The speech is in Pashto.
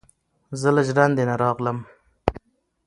ـ زه له ژړندې نه راغلم،